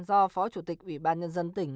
do phó chủ tịch ủy ban nhân dân tỉnh